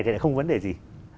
thì không vấn đề gì